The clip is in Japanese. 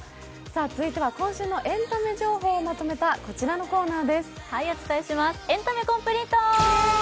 続いては今週のエンタメ情報をまとめたこちらのコーナーです。